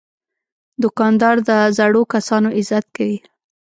دوکاندار د زړو کسانو عزت کوي.